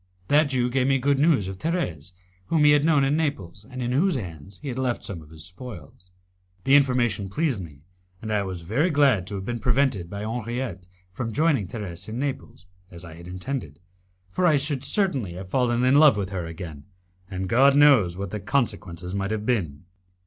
That Jew gave me good news of Thérèse, whom he had known in Naples, and in whose hands he had left some of his spoils. The information pleased me, and I was very glad to have been prevented by Henriette from joining Thérèse in Naples, as I had intended, for I should certainly have fallen in love with her again, and God knows what the consequences might have been.